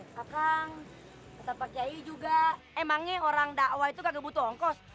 kakang kata pak kiai juga emangnya orang dakwa itu gak butuh ongkos